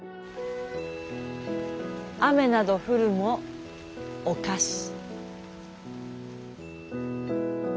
雨など降るもをかし」。